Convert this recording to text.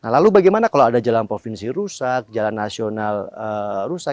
lalu bagaimana kalau ada jalan provinsi rusak jalan nasional rusak